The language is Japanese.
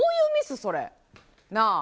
それ。なぁ。